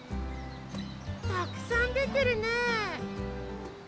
たくさんでてるねえ！